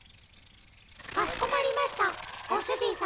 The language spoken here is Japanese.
かしこまりましたご主人様。